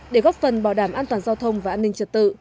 để góp phần bảo đảm an toàn giao thông và an ninh trật tự